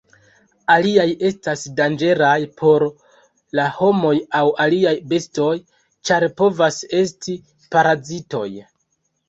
Aliaj estas danĝeraj por la homoj aŭ aliaj bestoj, ĉar povas esti parazitoj.